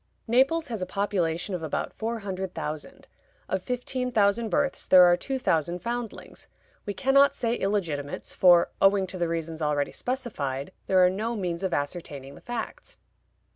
Naples has a population of about four hundred thousand. Of fifteen thousand births there are two thousand foundlings; we can not say illegitimates, for, owing to the reasons already specified, there are no means of ascertaining the facts.